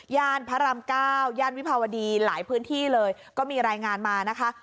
พระรามเก้าย่านวิภาวดีหลายพื้นที่เลยก็มีรายงานมานะคะ